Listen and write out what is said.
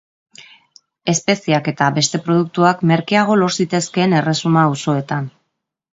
Espeziak eta beste produktuak merkeago lor zitezkeen erresuma auzoetan.